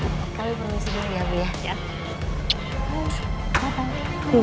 kami permisi dulu ya bu ya